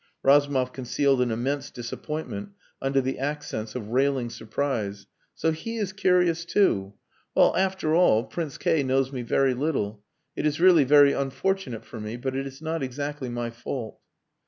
Razumov concealed an immense disappointment under the accents of railing surprise. "So he is curious too!... Well after all, Prince K knows me very little. It is really very unfortunate for me, but it is not exactly my fault."